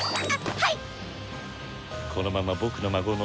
「はい」。